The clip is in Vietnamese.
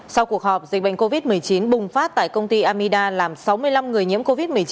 sau cuộc họp dịch bệnh covid một mươi chín bùng phát tại công ty amida làm sáu mươi năm người nhiễm covid một mươi chín